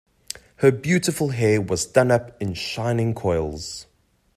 Her beautiful hair was done up in shining coils.